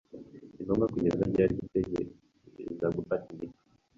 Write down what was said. Ningomba kugeza ryari gutegereza gufata imiti?